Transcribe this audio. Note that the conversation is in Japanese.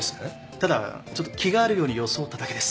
ただちょっと気があるように装っただけです。